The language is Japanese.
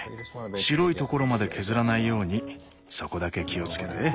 白いところまで削らないようにそこだけ気を付けて。